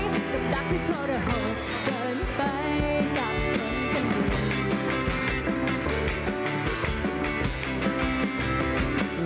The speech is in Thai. หรือดักที่โทรหกเดินไปกับเงินเสมอ